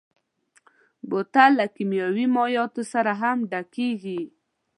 بوتل له کيمیاوي مایعاتو سره هم ډکېږي.